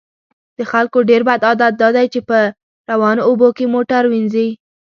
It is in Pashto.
د خلکو ډیر بد عادت دا دی چې په روانو اوبو کې موټر وینځي